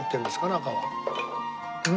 中は。